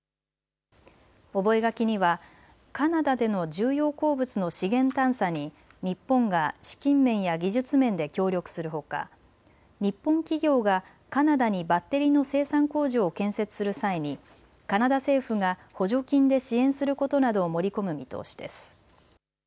覚書にはカナダでの重要鉱物の資源探査に日本が資金面や技術面で協力するほか日本企業がカナダにバッテリーの生産工場を建設する際にカナダ政府が補助金で支援することなどを盛り込む見通しです。